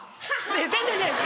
宣伝じゃないです。